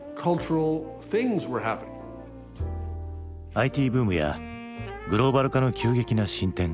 ＩＴブームやグローバル化の急激な進展。